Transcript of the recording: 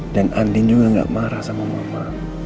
dan andi juga gak marah sama mama